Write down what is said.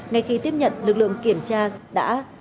ngay khi tiếp nhận lực lượng kiểm tra đã